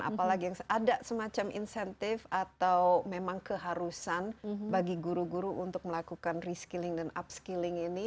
apalagi yang ada semacam insentif atau memang keharusan bagi guru guru untuk melakukan reskilling dan upskilling ini